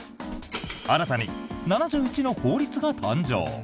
新たに７１の法律が誕生。